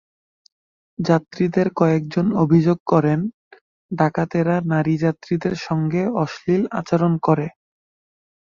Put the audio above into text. যাত্রীদের কয়েকজন অভিযোগ করেন, ডাকাতেরা নারী যাত্রীদের সঙ্গে অশ্লীল আচরণ করে।